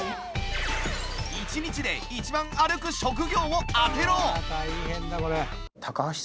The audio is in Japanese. １日で一番歩く職業を当てろ！